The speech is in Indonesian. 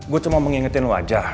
gue cuma mau mengingetin lo aja